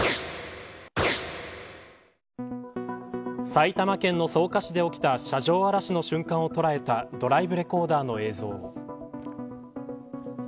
埼玉県の草加市で起きた車上荒らしの瞬間を捉えたドライブレコーダーの映像。